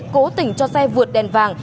cố tình cho xe vượt đèn vàng